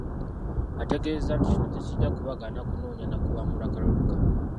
Ategeezezza nti kino tekijja kubagaana kunoonya na kuwangula kalulu kano.